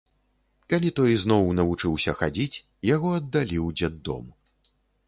Калі той зноў навучыўся хадзіць, яго аддалі ў дзетдом.